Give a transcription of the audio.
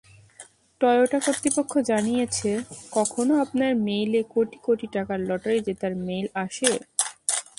Toyota কর্তৃপক্ষ জানিয়েছে, কখনো আপনার মেইলে কোটি কোটি টাকার লটারি জেতার মেইল আসে।